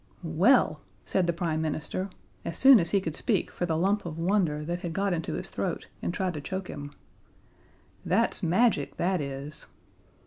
"Well!" said the Prime Minister, as soon as he could speak for the lump of wonder that had got into his throat and tried to choke him, "that's magic, that is."